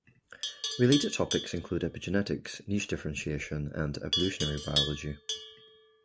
Related topics include epigenetics, niche differentiation, and evolutionary biology.